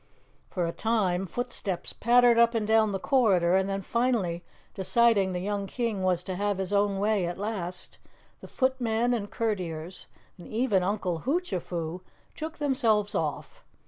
For a time footsteps pattered up and down the corridor, then finally deciding the young King was to have his own way at last, the footmen and courtiers and even Uncle Hoochafoo took themselves off.